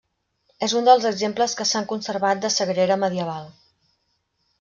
És un dels exemples que s'han conservat de sagrera medieval.